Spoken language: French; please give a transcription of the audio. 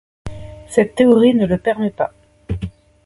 Cette théorie ne le permet pas.